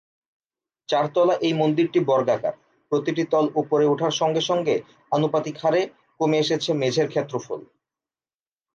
চারতলা এই মন্দিরটি বর্গাকার, প্রতিটি তল ওপরে ওঠার সঙ্গে সঙ্গে আনুপাতিক হারে কমে এসেছে মেঝের ক্ষেত্রফল।